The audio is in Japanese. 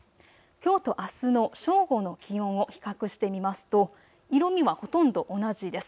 きょうとあすの正午の気温を比較してみますと色みはほとんど同じです。